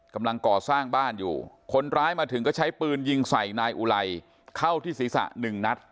กำลังก่อสร้างบ้านอยู่คนร้ายมาถึงก็ใช้ปืนยิงใส่นายอุไลเข้าที่ศีรษะหนึ่งนัด